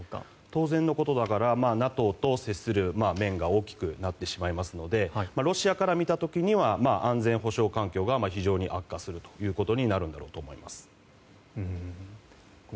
当然のことながらＮＡＴＯと接する面が大きくなってしまいますのでロシアから見た時には安全保障環境が非常に悪化するということになるんだろうと思います。